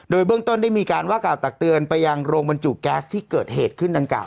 โดยเบื้องต้นได้มีการว่ากล่าวตักเตือนไปยังโรงบรรจุแก๊สที่เกิดเหตุขึ้นดังกล่า